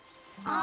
あ！